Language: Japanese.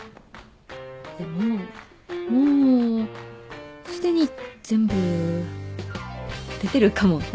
でももうすでに全部出てるかもな。